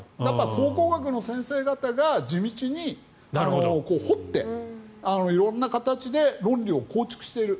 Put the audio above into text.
考古学の先生方が地道に掘って色んな形で論理を構築している。